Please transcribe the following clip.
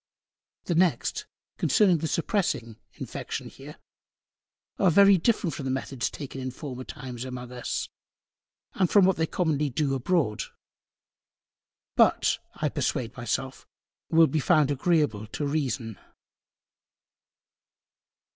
The next, concerning the suppressing Infection here, are very different from the Methods taken in former Times among Us, and from what they commonly Do Abroad: But, I persuade my self, will be found agreable to Reason.